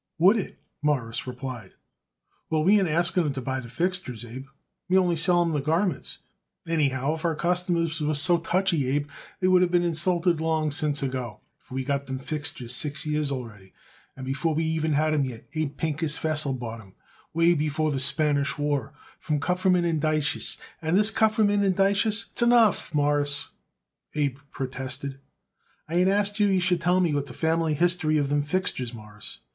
"Would it?" Morris replied. "Well, we ain't asking 'em to buy the fixtures, Abe; we only sell 'em the garments. Anyhow, if our customers was so touchy, Abe, they would of been insulted long since ago. For we got them fixtures six years already, and before we had 'em yet, Abe, Pincus Vesell bought 'em, way before the Spanish War, from Kupferman & Daiches, and then Kupferman & Daiches " "S'enough, Mawruss," Abe protested. "I ain't asked you you should tell me the family history of them fixtures, Mawruss.